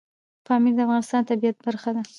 پامیر د افغانستان د طبیعت برخه ده.